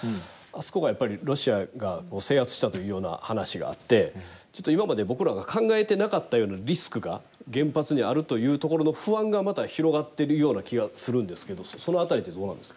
あそこがやっぱりロシアが制圧したというような話があってちょっと今まで僕らが考えてなかったようなリスクが原発にはあるというところの不安がまた広がってるような気がするんですけどその辺りってどうなんですか。